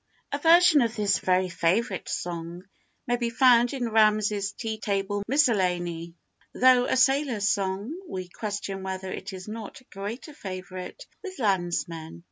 [A VERSION of this very favourite song may be found in Ramsay's Tea Table Miscellany. Though a sailor's song, we question whether it is not a greater favourite with landsmen.